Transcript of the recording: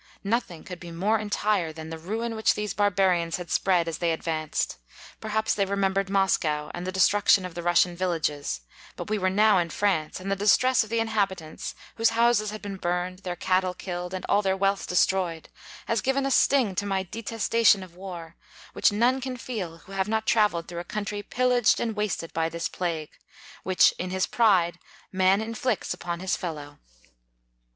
Nothing could be more entire than the ruin which these barbarians had spread as they advanced ; perhaps they remembered Moscow and the destruction of the Russian villages; but we were now in France, and the distress of the inhabi tants, whose houses had been burned, their cattle killed, and all their wealth destroyed, has given a sting to my detestation of war, which none can feel who have not travelled through a coun try pillaged and wasted by this plague, which, in his pride, man inflicts upon his fellow.